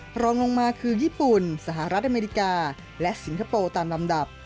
รองลงมาคือญี่ปุ่นสหรัฐอเมริกาและสิงคโปร์ตามลำดับ